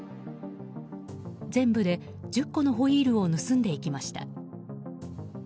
全部で１０個のホイールを盗んでいきました。